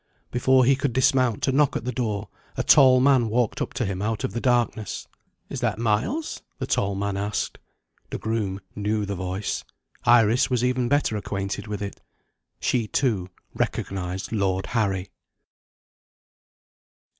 Before he could dismount to knock at the door, a tall man walked up to him out of the darkness. "Is that Miles?" the tall man asked. The groom knew the voice. Iris was even better acquainted with it. She, too, recognised Lord Harry.